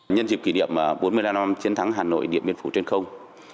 nhân dịp kỷ niệm bốn mươi năm năm chiến thắng hà nội điện biên phủ trên không